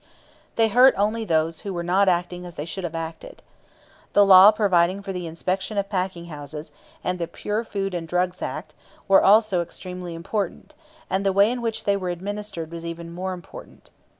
They hurt only those who were not acting as they should have acted. The law providing for the inspection of packing houses, and the Pure Food and Drugs Act, were also extremely important; and the way in which they were administered was even more important.